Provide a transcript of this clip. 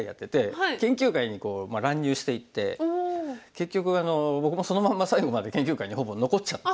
結局あの僕もそのまんま最後まで研究会にほぼ残っちゃって。